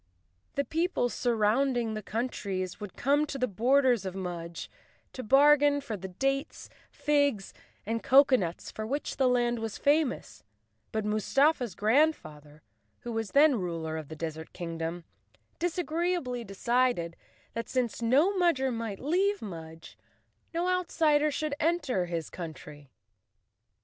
The peoples of the surrounding countries would come to the borders of Mudge to bargain for the dates, figs and 20 Chapter One cocoanuts for which the land was famous, but Mus¬ tafa's grandfather, who was then ruler of the desert kingdom, disagreeably decided that since no Mudger might leave Mudge no outsider should enter his coun¬ try.